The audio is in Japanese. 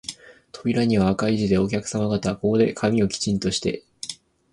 扉には赤い字で、お客さま方、ここで髪をきちんとして、